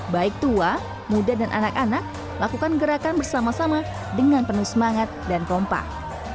baik tua muda dan anak anak lakukan gerakan bersama sama dengan penuh semangat dan kompak